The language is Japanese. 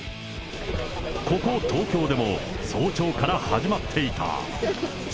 ここ、東京でも早朝から始まっていた。